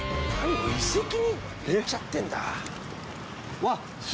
遺跡に行っちゃってんだ。